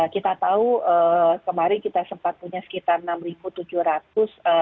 kita tahu kemarin kita sempat punya sekitar enam ribu tujuh ratus petugas yang tersulit ketempatan